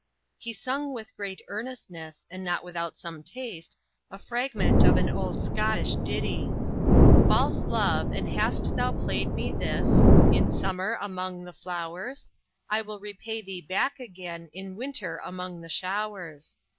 He sung with great earnestness, and not without some taste, a fragment of an old Scottish ditty: False love, and hast thou play'd me this In summer among the flowers? I will repay thee back again In winter among the showers.